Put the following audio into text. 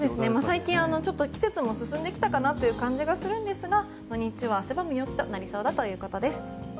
最近、季節も進んできたかなという感じもするんですが日曜日は汗ばむ陽気となりそうということです。